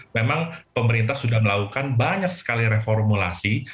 memang pemerintah sudah melakukan banyak sekali reformulasi